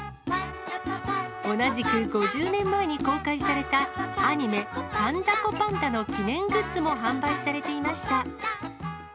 同じく５０年前に公開されたアニメ、パンダコパンダの記念グッズも販売されていました。